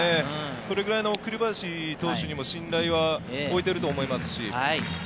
それくらい栗林投手にも信頼を置いていると思います。